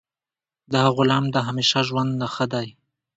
د غلام د همیشه ژوند نه ښه دی.